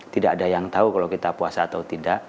tidak ada yang tahu kalau kita puasa atau tidak